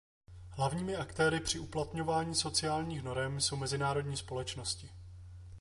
Hlavními aktéry při uplatňování sociálních norem jsou mezinárodní společnosti.